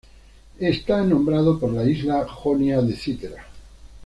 Está nombrado por la isla jonia de Citera.